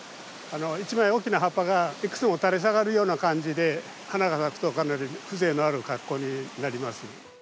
一枚大きな葉っぱがいくつも垂れ下がるような感じで花が咲くとかなり風情のある格好になります。